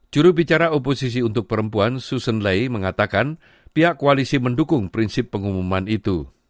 jurubicara oposisi untuk perempuan suson lei mengatakan pihak koalisi mendukung prinsip pengumuman itu